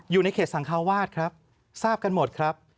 อยู่ในเขตสังคาวาสครับทราบกันหมดครับ